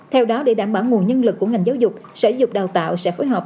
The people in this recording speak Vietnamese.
theo đó để đảm bảo nguồn nhân lực của ngành giáo dục sở dục đào tạo sẽ phối hợp